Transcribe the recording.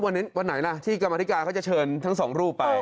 วันไหนล่ะที่กรรมธิกาเขาจะเชิญทั้ง๒รูปไป